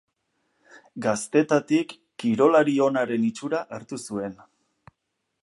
Gaztetatik kirolari onaren itxura hartu zuen.